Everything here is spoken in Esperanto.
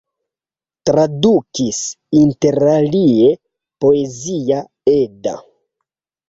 Tradukis interalie Poezia Edda.